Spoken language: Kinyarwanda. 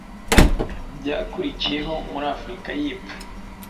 byakurikiyeho muri Afurika yepfo